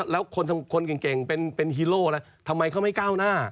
แล้วคนเก่งเป็นฮีโร่อะไรทำไมเขาไม่ก้าวหน้า